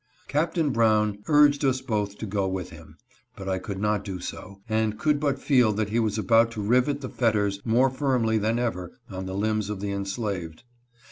Captain Brown urged us both to go with him, but I could not do so, and could but feel that he was about to rivet the fetters more firmly than ever on the limbs of the enslaved.